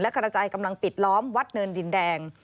กระจายกำลังปิดล้อมวัดเนินดินแดง